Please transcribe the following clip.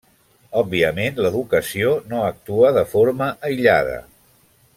Òbviament, l'educació no actua de forma aïllada.